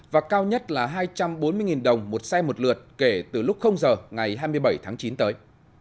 và cao nhất là hai trăm bốn mươi đồng một xe một lượt kể từ lúc giờ ngày hai mươi bảy tháng chín tới